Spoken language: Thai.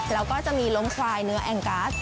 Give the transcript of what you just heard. แล้วก็จะมีล้มควายเนื้อแองกัส